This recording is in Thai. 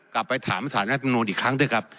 กลับไปถามสารรัฐมนุนอีกครั้งด้วยครับ